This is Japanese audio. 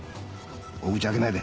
大口開けないで。